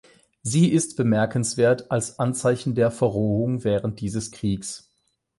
Sie ist bemerkenswert als Anzeichen der Verrohung während dieses Kriegs.